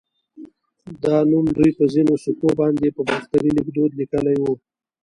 دا نوم دوی په ځینو سکو باندې په باختري ليکدود لیکلی و